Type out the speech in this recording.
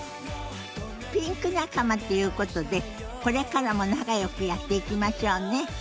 ピンク仲間っていうことでこれからも仲よくやっていきましょうね。